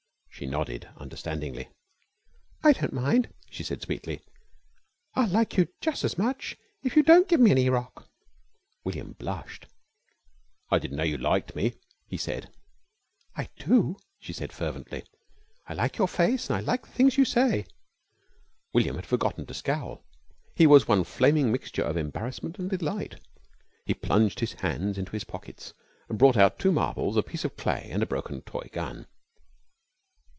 She nodded understandingly. "I don't mind!" she said sweetly. "I'll like you jus' as much if you don't ever give me any rock." William blushed. "I di'n't know you liked me," he said. "I do," she said fervently. "I like your face an' I like the things you say." William had forgotten to scowl. He was one flaming mixture of embarrassment and delight. He plunged his hands into his pockets and brought out two marbles, a piece of clay, and a broken toy gun.